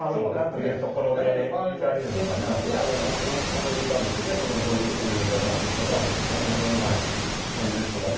思い浮かべてねお料理屋さんですとか本当の茶室ですとかね